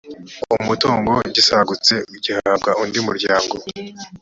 umutungo gisagutse gihabwa undi muryango